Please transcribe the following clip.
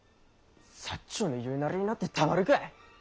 長の言うなりになってたまるかい。